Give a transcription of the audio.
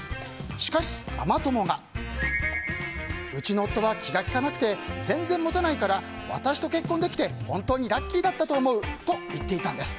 しかしママ友がうちの夫は気が利かなくて全然モテないから私と結婚できて本当にラッキーだと思うと言っていたんです。